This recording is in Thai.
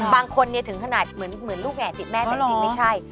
บางคนถึงขนาดเหมือนลูกแห่ติดแม่ก็จริงไม่ใช่